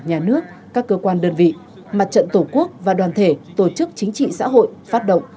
nhà nước các cơ quan đơn vị mặt trận tổ quốc và đoàn thể tổ chức chính trị xã hội phát động